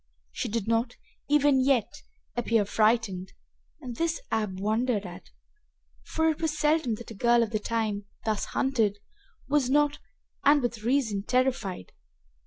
She did not, even yet, appear affrighted, and this Ab wondered at, for it was seldom that a girl of the time, thus hunted, was not, and with reason, terrified.